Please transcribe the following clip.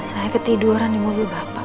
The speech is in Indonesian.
saya ketiduran di mobil bapak